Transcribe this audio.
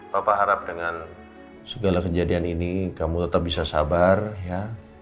bapak harap dengan segala kejadian ini kamu tetap bisa sabar ya